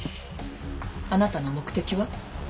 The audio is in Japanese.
「あなたの目的は？」